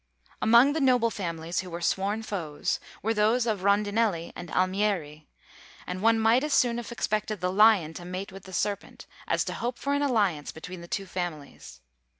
Among the noble families who were sworn foes, were those of Rondinelli and Almieri; and one might as soon have expected the lion to mate with the serpent, as to hope for an alliance between the two families.